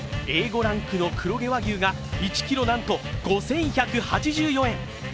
Ａ５ランクの黒毛和牛が１ｋｇなんと５１８４円。